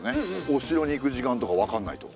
お城に行く時間とか分かんないと。